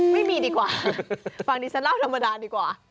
ดีกว่าฟังดิฉันเล่าธรรมดาดีกว่า